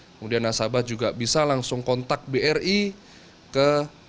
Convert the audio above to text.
kemudian nasabah juga bisa langsung kontak bri ke lima belas ribu tujuh belas